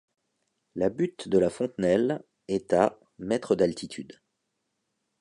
La butte de la Fontenelle est à mètres d'altitude.